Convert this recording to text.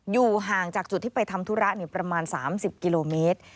อยู่ห่างจากจุดที่ไปทำธุระประมาณ๓๐กิโลเมตร